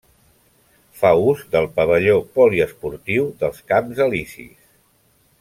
Fa ús del pavelló poliesportiu dels Camps Elisis.